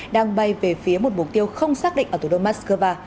đang bay về phía một mục tiêu không xác định ở thủ đô moscow